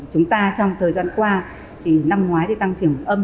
chúng ta trong thời gian qua thì năm ngoái thì tăng trưởng âm